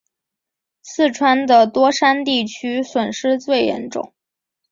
四川的多山地区损失最严重。